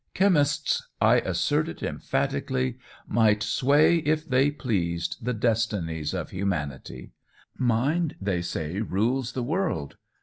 Chemists I assert it emphatically might sway, if they pleased, the destinies of humanity. Mind, they say, rules the world.